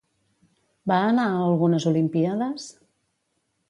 Va anar a algunes olimpíades?